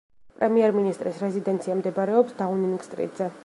პრემიერ-მინისტრის რეზიდენცია მდებარეობს დაუნინგ სტრიტზე.